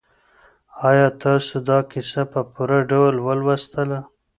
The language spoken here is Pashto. آیا تاسو دا کیسه په پوره ډول ولوستله؟